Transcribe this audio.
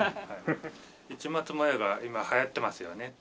市松模様が今流行ってますよね。